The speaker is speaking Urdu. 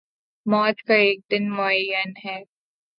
موت کا ایک دن معین ہے